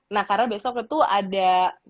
nah karena besok itu ada